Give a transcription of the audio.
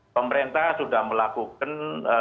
pemerintah sudah melakukan